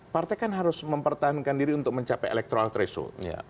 partai kan harus mempertahankan diri untuk mencapai electoral threshold